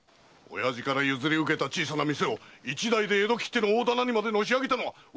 親父から譲り受けた小さな店を一代で江戸きっての大店にまでのし上げたのはわしの力だ！